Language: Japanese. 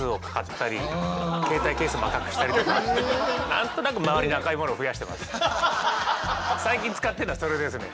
何となく最近使ってるのはそれですね。